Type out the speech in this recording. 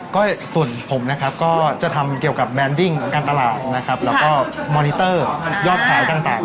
ก็ส่วนผมนะครับก็จะทำเกี่ยวกับแนนดิ้งของการตลาดนะครับแล้วก็มอนิเตอร์ยอดขายต่าง